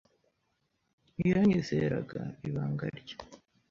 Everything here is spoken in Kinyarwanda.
Ntiyanyizera ibanga rye.